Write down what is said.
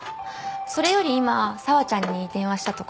それより今紗和ちゃんに電話したところ。